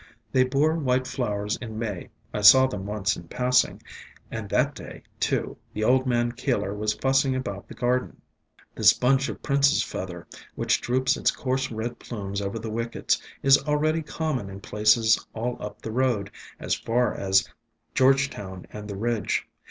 They bore white flowers in May; I saw them once in passing, and that day, too, the old man Keeler was fussing about the garden. This bunch of Prince's Feather, which droops its coarse red plumes over the wickets, is already common in places all up the road, as far as Georgetown and the Ridge.